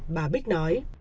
bà bích nói